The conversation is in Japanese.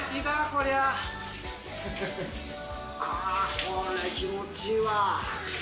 これ、気持ちいいわ。